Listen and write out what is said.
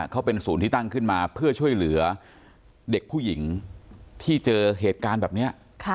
เขาเป็นศูนย์ที่ตั้งขึ้นมาเพื่อช่วยเหลือเด็กผู้หญิงที่เจอเหตุการณ์แบบนี้